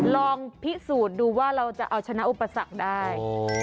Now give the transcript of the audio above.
ลองพิสูจน์ดูว่าเราจะเอาชนะอุปสรรคได้